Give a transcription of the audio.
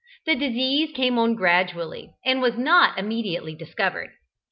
The disease came on gradually, and was not immediately discovered.